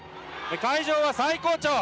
会場は最高潮。